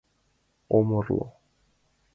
Ом орло...